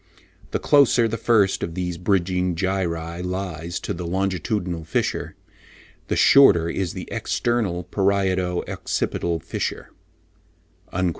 The closer the first of these bridging gyri lies to the longitudinal fissure, the shorter is the external parieto occipital fissure" (loc.